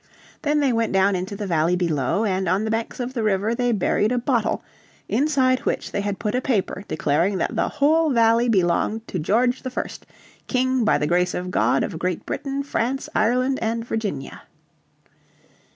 Then they went down into the valley below, and on the banks of the river they buried a bottle, inside which they had put a paper declaring that the whole valley belonged to George I, King by the Grace of God of Great Britain, France, Ireland and Virginia.